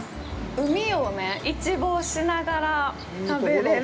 海をね、一望しながら食べれる。